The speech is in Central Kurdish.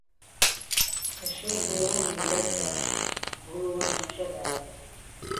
کە شەو بەیانی بەردا، گوڵ و وەنەوشە باری